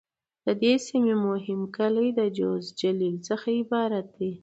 د دې سیمې مهم کلي د: جوز، جلیل..څخه عبارت دي.